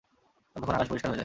ততক্ষণ আকাশ পরিষ্কার হয়ে যায়।